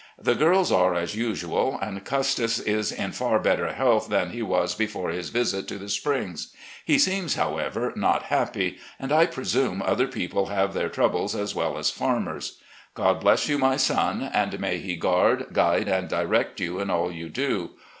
The girls are as usual, and Custis is in far better health than he was before his visit to the Springs. He seems, however, not happy, and I presume other people have their troubles as well as farmers. God bless you, my son, and may He guard, guide, and direct you in all you do.